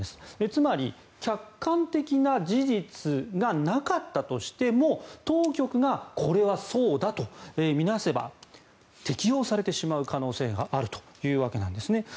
つまり客観的な事実がなかったとしても当局がこれはそうだと見なせば適用されてしまう可能性があるということですね。